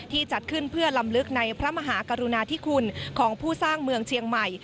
จัดขึ้นเพื่อลำลึกในพระมหากรุณาธิคุณของผู้สร้างเมืองเชียงใหม่